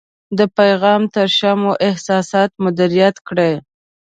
د پیغام تر شا مو احساسات مدیریت کړئ.